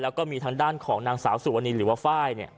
แล้วก็มีทางด้านของนางสาวสุวรรณีหรือว่าไฟล์